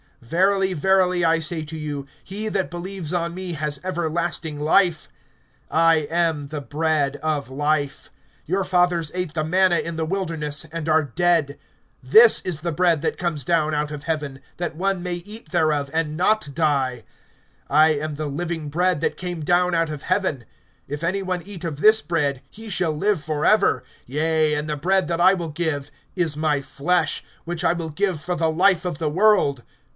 (47)Verily, verily, I say to you, he that believes on me has everlasting life. (48)I am the bread of life. (49)Your fathers ate the manna in the wilderness, and are dead. (50)This is the bread that comes down out of heaven, that one may eat thereof, and not die. (51)I am the living bread that came down out of heaven. If any one eat of this bread, he shall live forever; yea, and the bread that I will give is my flesh, which I will give for the life of the world.